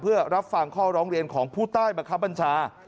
เพื่อรับฟังข้อร้องเรียนของผู้ใต้บังคับบัญชา